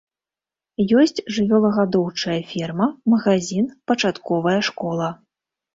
Ёсць жывёлагадоўчая ферма, магазін, пачатковая школа.